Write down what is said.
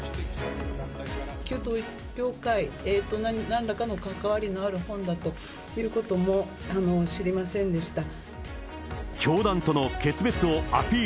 統一教会となんらかの関わりのある本だということも知りませんでした。